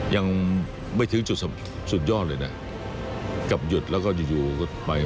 ยังไม่ถึงจุดสุดยอดเลยนะกับหยุดแล้วก็อยู่อยู่ก็ไป